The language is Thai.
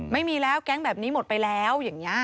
ไม่มีแล้วแก๊งแบบนี้หมดไปแล้วอย่างนี้